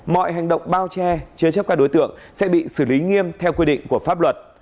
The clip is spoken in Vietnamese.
mọi hành động bao che chứa chấp các đối tượng sẽ bị xử lý nghiêm theo quy định của pháp luật